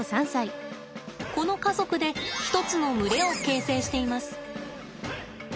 この家族で一つの群れを形成しています。